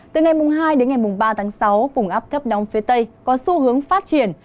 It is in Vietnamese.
từ ngày hai đến ngày ba tháng sáu vùng áp thấp nóng phía tây có xu hướng phát triển